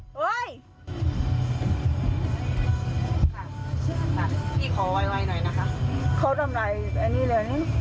พี่ขอไวหน่อยนะคะเขาทำร้ายอันนี้เลยอันนี้